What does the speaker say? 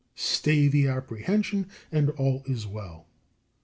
Stay the apprehension, and all is well.